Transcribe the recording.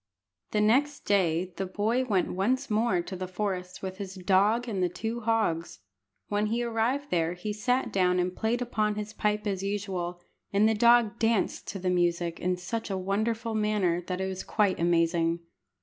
The next day the boy went once more to the forest with his dog and the two hogs. When he arrived there he sat down and played upon his pipe as usual, and the dog danced to the music in such a wonderful manner that it was quite amazing.